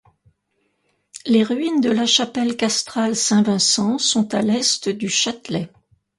Les ruines de la chapelle castrale Saint-Vincent sont à l'est du châtelet.